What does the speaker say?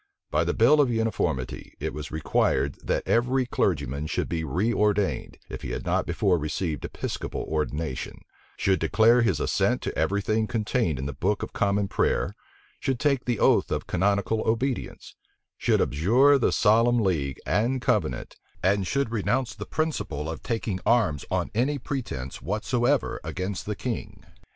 By the bill of uniformity, it was required, that every clergyman should be reordained, if he had not before received Episcopal ordination; should declare his assent to every thing contained in the Book of Common Prayer; should take the oath of canonical obedience; should abjure the solemn league, and covenant; and should renounce the principle of taking arms on any pretence whatsoever against the king.